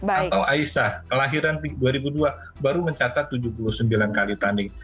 atau aisah kelahiran dua ribu dua baru mencatat tujuh puluh sembilan kali tanding